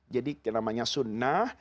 jadi namanya sunnah